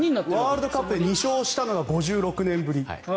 ワールドカップで２勝したのが５６年ぶり。